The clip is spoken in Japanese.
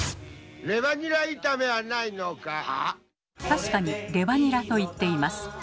確かに「レバニラ」と言っています。